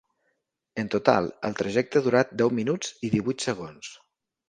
En total, el trajecte ha durat deu minuts i divuit segons.